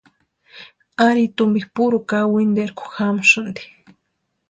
Ari tumpi puru kawinterku jamasïnti.